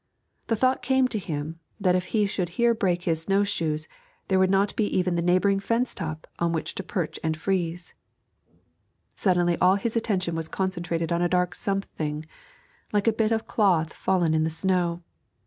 The thought came to him that if here he should break his snow shoes there would not even be the neighbouring fence top on which to perch and freeze. Suddenly all his attention was concentrated upon a dark something, like a bit of cloth fallen in the snow.